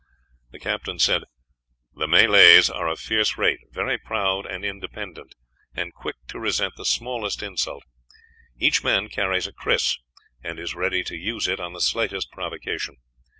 "The Malays," he said, "are a fierce race, very proud and independent, and quick to resent the smallest insult. Each man carries a kris, and is ready to use it on the slightest provocation.